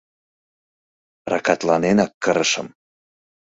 Ракатланенак кырышым!